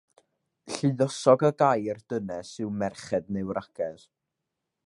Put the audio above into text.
Lluosog y gair dynes yw merched neu wragedd.